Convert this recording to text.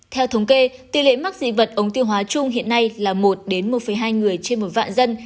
theo thống kê tỷ lệ mắc dị vật ống tiêu hóa chung hiện nay là một một hai người trên một vạn dân